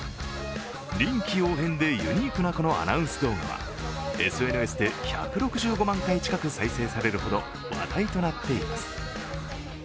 臨機応変でユニークなこのアナウンス動画はＳＮＳで１６５万回近く再生されるほど話題となっています。